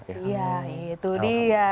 iya itu dia